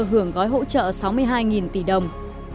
hưởng gói hỗ trợ sáu mươi hai tỷ đồng